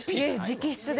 直筆で。